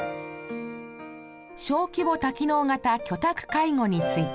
小規模多機能型居宅介護について。